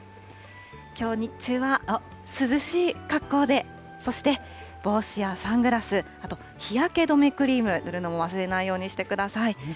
きょう日中は涼しい格好で、そして、帽子やサングラス、あと日焼け止めクリーム塗るのも忘れないようにしてください。